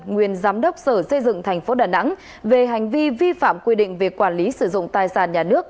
nguyên giám đốc sở xây dựng tp đà nẵng về hành vi vi phạm quy định về quản lý sử dụng tài sản nhà nước